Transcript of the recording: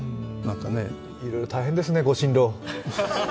いろいろ大変ですね、ご心労。